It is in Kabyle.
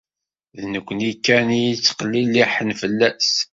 D nekni kan i yetteqliliḥen fell-as.